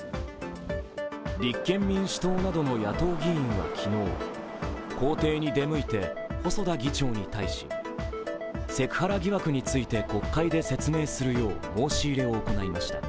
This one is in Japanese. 立憲民主党などの野党議員は昨日、公邸に出向いて、細田議長に対しセクハラ疑惑について国会で説明するよう申し入れを行いました。